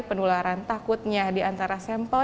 penularan takutnya diantara sampel